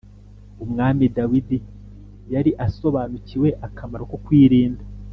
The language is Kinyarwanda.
Umwami Dawidi yari asobanukiwe akamaro ko kwirinda